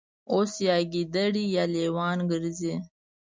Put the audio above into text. اوس یا ګیدړې یا لېوان ګرځي